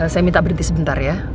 saya minta berhenti sebentar ya